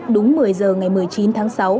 đúng một mươi h ngày một mươi chín tháng sáu